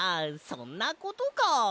そんなことか。